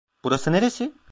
Burası neresi?